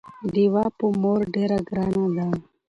ډيوه په مور ډېره ګرانه ده